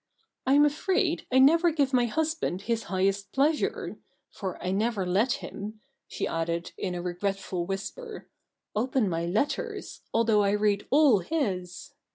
' I'm afraid I never give my husband his highest pleasure : for I never let him," she added in a regretful whisper, * open my letters, although I read all his.